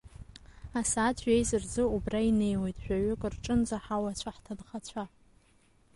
Асааҭ жәеиза рзы убра инеиуеит жәаҩык рҿынӡа ҳауацәа-ҳҭынхацәа.